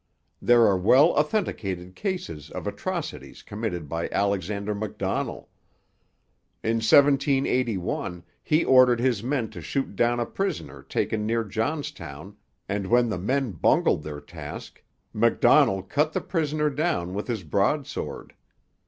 There are well authenticated cases of atrocities committed by Alexander Macdonell: in 1781 he ordered his men to shoot down a prisoner taken near Johnstown, and when the men bungled their task, Macdonell cut the prisoner down with his broadsword.